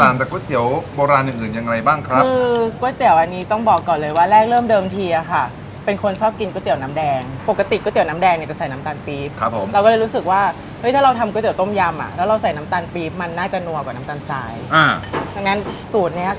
มันด้วยมีเมนูอะไรบ้างเนี้ยเอาเราจะเริ่มจากจาน้องหน้าก่อนเลย